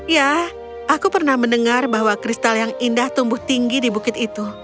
ya aku pernah mendengar bahwa kristal yang indah tumbuh tinggi di bukit itu